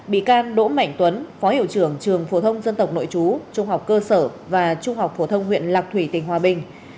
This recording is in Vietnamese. bị can đỗ mạnh tuấn phó hiệu trưởng trường phổ thông dân tộc nội chú trung học cơ sở và trung học phổ thông huyện lạc thủy tỉnh hòa bình